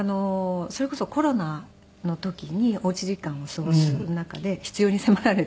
それこそコロナの時におうち時間を過ごす中で必要に迫られて。